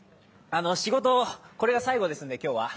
仕事、これが最後ですので、今日は。